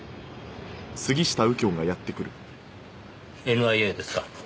ＮＩＡですか。